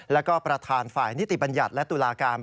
แล้วก็ประธานฝ่ายนิติบัญญัติและตุลาการ